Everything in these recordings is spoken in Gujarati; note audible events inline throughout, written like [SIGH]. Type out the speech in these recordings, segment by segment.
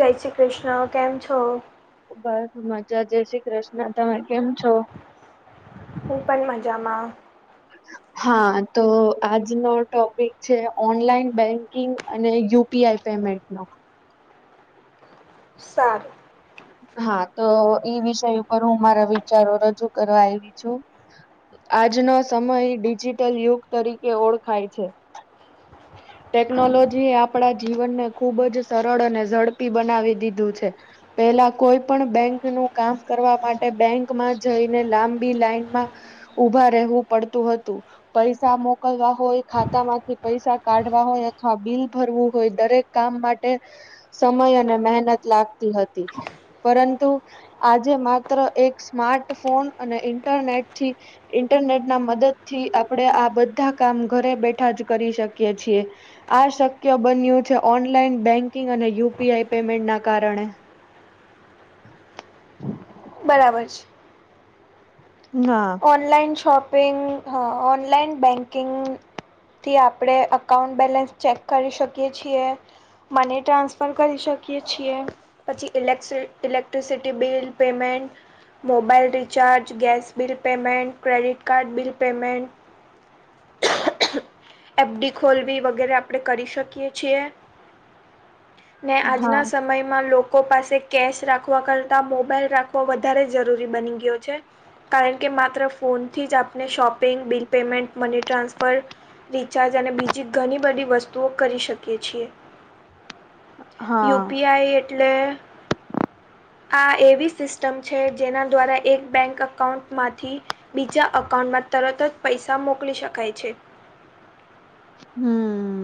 જય શ્રી કૃષ્ણ. કેમ છો? બસ મજા, જય શ્રી કૃષ્ણ. તમે કેમ છો? હું પણ મજામાં. હા, તો આજનો ટોપિક છે ઓનલાઈન બેંકિંગ અને યુ પી આઈ પેમેન્ટ નો. સારું. હા તો ઈ વિષય ઉપર હું મારા વિચારો રજૂ કરવા આઈવી છું. આજનો સમય ડિજિટલ યુગ તરીકે ઓળખાય છે. ટેકનોલોજી આપડા જીવનને ખુબ જ સરળ અને ઝડપી બનાવી દીધું છે. પેલા કોઈ પણ બેંક નું કામ કરવા માટે બેંકમાં જઈને લાંબી લાઈનમાં ઉભા રહેવું પડતું હતું. પૈસા મોકલવા હોય ખાતા માંથી પૈસા કાઢવા હોય અથવા બિલ ભરવું હોય દરેક કામ માટે સમય અને મહેનત લાગતી હતી. પરંતુ આજે માત્ર એક સ્માર્ટ ફોન અને ઇન્ટરનેટ થી ઇન્ટરનેટ ના મદદ થી આપડે આ બધા કામ ઘરે બેઠા જ કરી શકીએ છીએ. આ શક્ય બન્યું છે ઓનલાઈન બેંકિંગ અને યુ પી આઈ પેમેન્ટ ના કારણે. બરાબર છે. ના. ઓનલાઈન શોપિંગ હા ઓનલાઈન બેન્કિંગ થી આપડે અકાઉંન્ટ બેલેન્સ ચેક કરી શકીએ છીએ. મની ટ્રાન્સફર કરી શકીએ છીએ. પછી ઇલેક electricity bill payment mobile recharge gas bill payment credit card bill payment app ડી ખોલવી વગેરે આપડે કરી શકીએ છીએ. ને હા આજના સમયમાં લોકો પાસે કેશ રાખવા કરતા મોબાઈલ રાખવો વધારે જરૂરી બની ગયો છે. કારણ કે માત્ર ફોનથી જ આપને shopping bill payment money transfer recharge અને બીજી ઘણી બધી વસ્તુઓ કરી શકીએ છીએ. યુ હા પી આઈ એટલે આ એવી સિસ્ટમ છે જેના દ્વારા એક બેંક અકાઉન્ટમાંથી બીજા અકાઉન્ટમાં તરત જ પૈસા મોકલી શકાય છે. હમ્મ,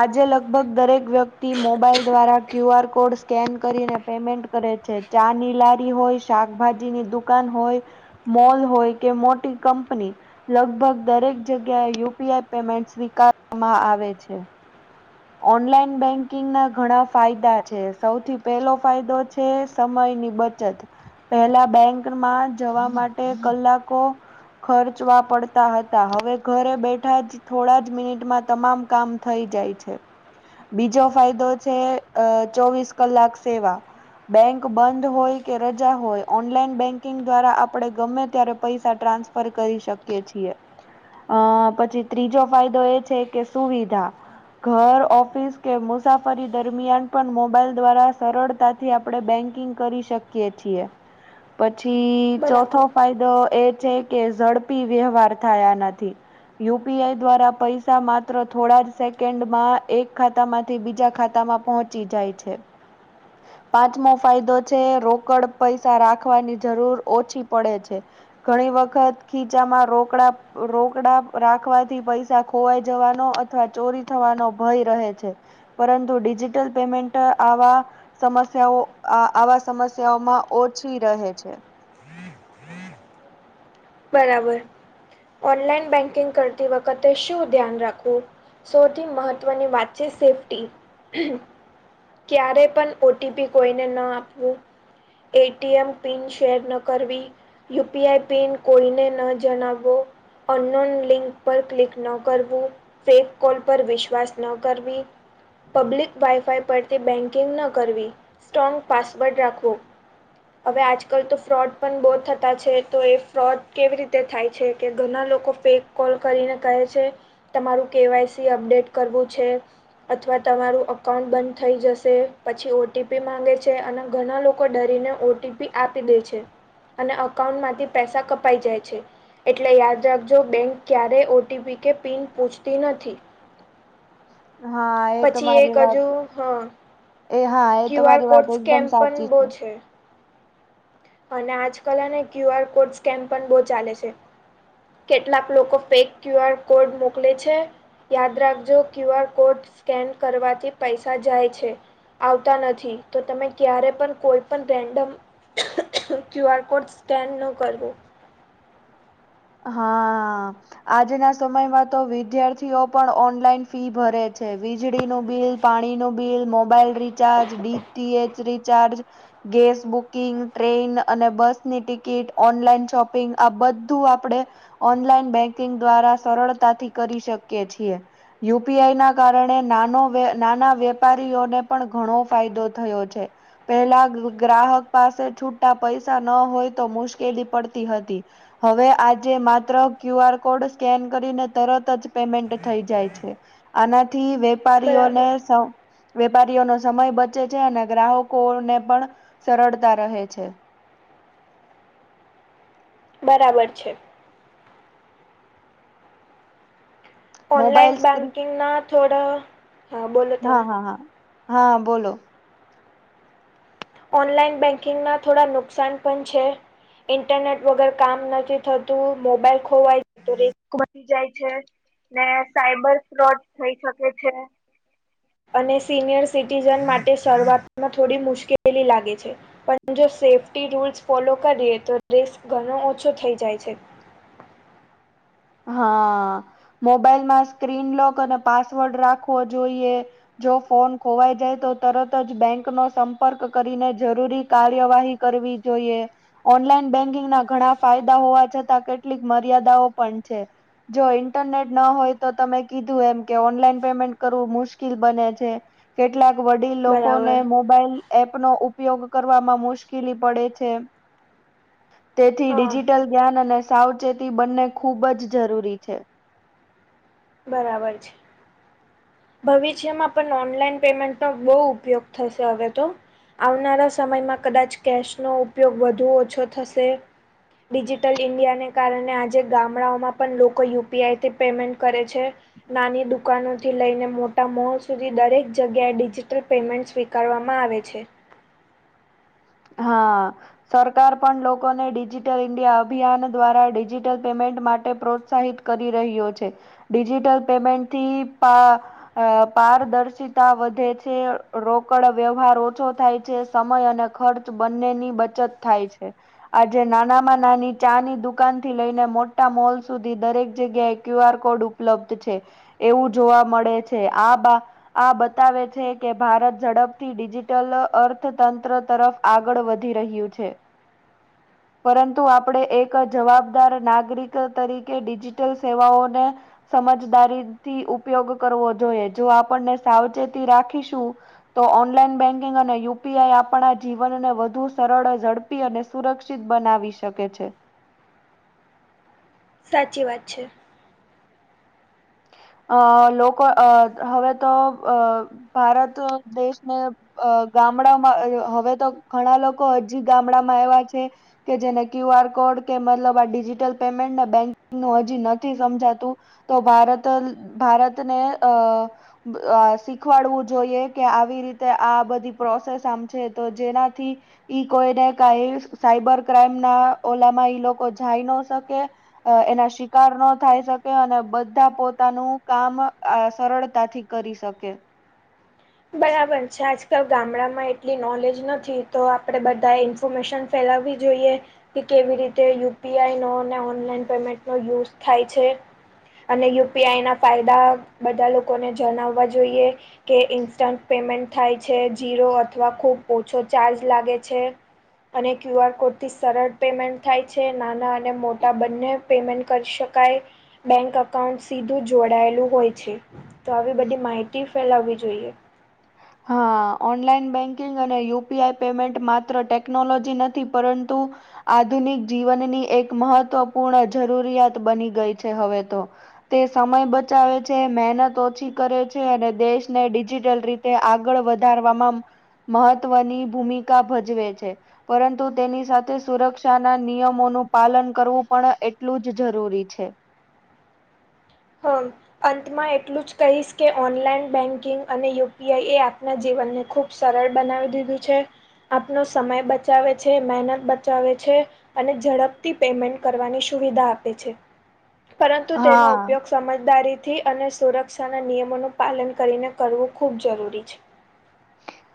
આજે લગભગ દરેક વ્યક્તિ મોબાઈલ દ્વારા ક્યુ આર કોડ સ્કેન કરીને પેમેન્ટ કરે છે ચા ની લારી હોય શાકભાજીની દુકાન હોય મોલ હોય કે મોટી કંપની લગભગ દરેક જગ્યાએ યુપીઆઈ પેમેન્ટ સ્વીકારવામાં આવે છે ઓનલાઈન બેંકિંગ ના ઘણા ફાયદા છે સૌથી પેલો ફાયદો છે એ છે સમયની બચત પેલા બેંકમાં જવા માટે કલાકો ખર્ચવા પડતા હતા હવે ઘરે બેઠા જ થોડા જ મિનિટમાં તમામ કામ થઈ જાય છે બીજો ફાયદો છે અ ચોવીસ કલાક સેવા બેંક બંધ હોય કે રજા હોય ઓનલાઈન બેંકિંગ દ્વારા આપડણે ગમે ત્યારે પૈસા ટ્રાન્સ પર કરી શકીએ છીએ અ પછી ત્રીજો ફાયદો એ છે કે સુવિધા ઘર ઓફિસ કે મુસાફરી દરમિયાન પણ મોબાઈલ દ્વારા સરળતા થી આપણે બેંકિંગ કરી શકીયે છીએ પછી બરાબર. ચોથો ફાય તો એ છે કે ઝડપી વ્યવહાર થાયા નથી. યુપીઆઈ દ્વારા પૈસા માત્ર થોડા જ સેકન્ડ માં એક ખાતા માંથી બીજા ખાતામાં પહોંચી જાય છે. પાંચમો ફાયદો છે રોકડ પૈસા રાખવાની જરૂર ઓછી પડે છે. ઘણી વખત ખીચામાં રોકડા રોકડા રાખવાથી પૈસા ખોવાઈ જવાનો અથવા ચોરી થવાનો ભય રહે છે. પરંતુ ડિજિટલ પેમેન્ટ આવા સમસ્યાઓ આ આવા સમસ્યાઓમાં ઓછી રહે છે. બરાબર ઓનલાઈન બેંકિંગ કરતી વખતે શું ધ્યાન રાખવું. સૌથી મહત્વની વાત છે સેફ્ટી ક્યારે પણ ઓટીપી કોઈને ના આપવું. એટીએમ પિન શેર ન કરવી યુપીઆઈ પિન કોઈને ન જણાવવો અન્નોન લિંક પર ક્લિક ન કરવું. ફેક કોલ પર વિશ્વાસ ન કરવી. પબ્લિક વાયફાઈ પરથી બેન્કિંગ ન કરવી સ્ટ્રોંગ પાસવર્ડ રાખવો. અવે આજકાલ તો ફ્રોડ પણ બો થતા છે તો એ ફ્રોડ કેવી રીતે થાય છે કે ઘણા ના લોકો ફેક કોલ કરીને કહે છે. તમારું કેવાયસી અપડેટ કરવું છે. અથવા તમારું અકાઉન્ટ બંધ થઈ જશે પછી ઓટીપી માંગે છે અને ઘના લો કો ડરીને ઓટીપી આપી દે છે અને અકાંઉન્ટ માંથી પૈસા કપાઈ જાય છે. એટલે યાદ રાખજો બેંક ક્યારેય ઓટીપી કે પિન પૂછતી નથી. હાય. પછી એક હજુ હ એ હાય ક્યુ આર કોડ સ્કેમ પણ બો છે. અને આજકાલ અને ક્યુ આર કોડ સ્કેમ પણ બો ચાલે છે. કેટલાક લોકો ફેક ક્યુ આર કોડ મોકલે છે. યાદ રાખજો ક્યુ આર કોડ સ્કેન કરવાથી પૈસા જાય છે. આવતા નથી તો તમે ક્યારે પણ કોઈ પણ random Q R code scan ન કરવો. હા. આજના સમયમાં તો વિદ્યાર્થીઓ પણ ઓનલાઈન ફી ભરે છે વીજળીનું બિલ પાણી નું bill mobile recharge DTH recharge gas booking train અને બસની ટિકિટ ઓનલાઈન શોપિંગ આ બધું આપણે ઓનલાઈન બેંકિંગ દ્વારા સરળતાથી કરી શકીએ છીએ. યુપીઆઈ ના કારણે નાનો વે નાના વેપારીઓને પણ ઘણો ફાયદો થયો છે. પહેલા ગ ગ્રાહક પાસે છુટા પૈસા ન હોય તો મુશ્કેલી પડતી હતી. હવે આજે માત્ર ક્યુ આર કોડ સ્કેન કરીને તરત જ પેમેન્ટ થઈ જાય છે. આનાથી વેપારીઓને બરાબર સ વેપારીઓનો સમય બચે છે અને ગ્રાહકોને પણ સરળતા રહે છે. બરાબર છે. ઓનલાઈન મોબાઈલ સ્ક્રીન બેંકિંગના થોડા હા બોલો હા તમે હા હા હા બોલો. ઓનલાઈન બેંકિંગ ના થોડા નુકસાન પણ છે. ઇન્ટરનેટ વગર કામ નથી થતું મોબાઈલ ખોવાય [UNINTELLIGIBLE] જાય છે ને સાઈબર ફ્રોડ થઈ શકે છે. અને સિનિયર સિટીઝન માટે શરૂઆતમાં થોડી મુશ્કેલી લાગે છે. પણ જો સેફ્ટી રૂલ્સ ફોલો કરીએ તો રિસ્ક ઘણો ઓછો થઈ જાય છે હા મોબાઈલમાં સ્ક્રીનલોક અને પાસવર્ડ રાખવો જોઈએ જો ફોન ખોવાઈ જાય તો તરત જ બેંક નો સંપર્ક કરીને જરૂરી કાર્યવાહી કર જોઈએ ઓનલાઈન બેંકિંગ ના ઘણા ફાયદા હોવા છતાં કેટલીક મર્યાદાઓ પજર જો ઇન્ટરનેટ ન હોય તો તમે કીધું એમ કે ઓનલાઈન પેમેન્ટ કરવું મુશ્કેલ બને છે કેટલાક વડીલ લોકો ને બરાબર મોબાઈલ એપ નો ઉપયોગ કરવામાં મુશ્કેલી પડે છે તેથી હા ડિજિટલ જ્ઞાન અને સાવચેતી બંને ખૂબ જ જરૂરી છે બરાબર છે ભવિષ્યમાં પણ ઓનલાઈન પેમેન્ટનોો બહુ ઉપયોગ થશે હવે તો આવનારા સમયમાં કદાચ કેશનો ઉપયોગ વધુ ઓછો થશે ડિજિટલ ઈન્ડિયાને કારણે આજે ગામડાઓમાં પણ લોકો યુપીઆઈથી પેમેન્ટ કરે છે નાની દુકાનો થી લઈને મોટા મોલ સુધી દરેક જગ્યાએ ડિજિટલ પેમેન્ટ સ્વીકારવામાં આવે છે હા સરકાર પણ લોકોને ડિજિટલ ઇન્ડિયા અભિયાન દ્વારા ડિજિટલ પેમેન્ટ માટે પ્રોત્સાહિત કરી રહ્યો છે ડિજિટલ પેમેન્ટથી અ પારદર્શિતા વધે છે રોકડ વ્યવહાર ઓછો થાય છે સમય અને ખર્ચ બંનેની બચત થાય છે આજે નાનામાં નાની ચા ની દુકાન થી લઈને મોટા મોલ સુધી દરેક જગ્યાએ ક્યુ આર કોડ ઉપલબ્ધ છે એવું જોવા મળે છે આ બા આ બતાવે છે કે ભારત ઝડપથી ડિજિટલ અર્થતંત્ર તરફ આગળ વધી રહ્યું છે પરંતુ આપણે એક જવાબદાર નાગરિક તરીકે ડિજિટલ સેવાઓને સમજદારી થી ઉપયોગ કરવો જોઈએ જો આપણને સાવચેતી રાખીશું તો ઓનલાઈન બેન્કિંગ અને યુપીઆઈ આપણા જ જીવનને વધુ સરળ ઝડપી અને સુરક્ષિત બનાવી શકે છે સાચી વાત છે અ લોકો અ હવે તો અ ભારત દેશને અ ગામડામાં હવે તો ઘણા લોકો હજી ગામડામાં આવ્યા છે. કે જેને ક્યુ આર કોડ કે મતલબ આ ડિજીિટલ પેમેન્ટને બેંકિંગ ન હજી નથી સમજાતું. તો ભારત ભારતને અ અ શીખવાડવું જોઈએ કે આવી રીતે આ બધી પ્રોસેસ આમ છે તો જેનાથી ઈ કોઈને કઈ સાઈબર ક્રાઈમ ના ઓલામાં ઈ લોકો જાય ન શકે. અ એના શિકાર ન થાય શકે અને બધા પોતા તાનું કામ અ સરળતાથી કરી શકે. બરાબર છે આજકાલ ગામડામાં એટલી નોલેજ નથી તો આપડે બધા ઇન્ફોર્મેશન ફેલાવવી જોઈએ. કે કેવી રીતે યુ પી આઈ નો ઓનલાઈન પેમેન્ટ નો યુઝ થાય છે. અને યુ પી આઈ ના ફાયદા બધા લોકોને જણાવવા જોઈએ કે ઇ સ્ટન્ટ પેમેન્ટ થાય છે, જીરો અથવા ખૂબ ઓછો ચાર્જ લાગે છે. અને ક્યુ આર કોડથી સરળ પેમેન્ટ થાય છે, નાના અને મોટા બંને પેમેન્ટ કરી શકાય, બેંક અકાઉન્ટ સીધું જોડાયેલું હોય છે. તો આવી બધી માહિતી ફેલાવવી જોઈએ. હા ઓનલાઈન બેંકિંગ અને યુ પી આઈ પેમેન્ટ માત્ર ટેકનોલોજી નથી પરંતુ આધુનિક જીવનની એક મહત્વપૂર્ણ જરૂરિયાત બની ગઈ છે હવે તો. તે સમય બચાવે છે, મહેનત ઓછી કરે છે અને દેશને ડિજિટલ રીતે તે આગળ વધારવામાં મહત્વની ભૂમિકા ભજવે છે. પરંતુ તેની સાથે સુરક્ષાના નિયમોનું પાલન કરવું પણ એટલું જ જરૂરી છે. [UNINTELLIGIBLE] અંતમાં એટલું જ કહીશ કે ઓનલાઈન બેન્કિંગ અને યુ પી આઈ એ આપના જીવનને ખૂબ સરળ બનાવી દીધું છે, આપનો સમય બચાવે છે, મહેનત બચાવે છે. અને ઝડપથી પેમેન્ટ કરવાની સુવિધા આપે છે. પરંતુ તેનો હા ઉપયોગ સમજદારીથી અને સુરક્ષાના નિયમોનું પાલન કરીને કરવું ખૂબ જરૂરી છે.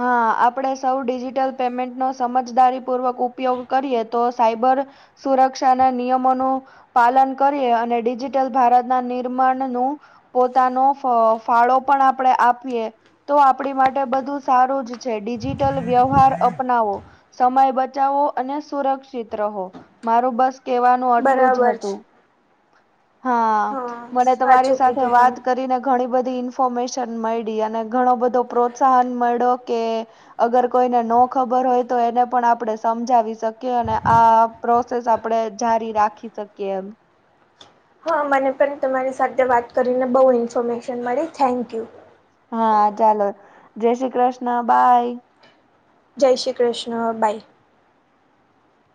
હા, આપડે સૌ ડિજિટલ પેમેન્ટનો સમજદારી પૂર્વક ઉપયોગ કરીએ તો સાયબર સુરક્ષાના નિયમોનું પાલન કરીએ અને ડિજિટલ ભારતના નિર્માણનું પોતાનો ફ ફાળો પણ આપણે આપીએ તો આપણી માટ બધું સારું જ છે, ડિજિટલ વ્યવહાર અપનાવો. સમય બચાવો અને સુરક્ષિત રહો. મારું બસ કેવાનું આટલુ જ બરાબર છે હતુ. હા, મને તમારી સાચું સાથે કીધું તમે વાત કરીને ઘણી બધી ઇન્ફોર્મેશન મયડી અને ઘણો બધો પ્રોત્સાહન મયડો કે અગર કોઈને નો ખબર હોય તો એને પણ આપણે સમજાવી શકીએ અને આ પ્રોસેસ આપડે જારી રાખી શકીએ એમ. હા, મને પણ તમારી સાથે વાત કરીને બો ઇન્ફોર્મેશન મળી થેન્કયુ. હા, ચાલો જય શ્રી કૃષ્ણ બાય. જય શ્રી કૃષ્ણ, બાય.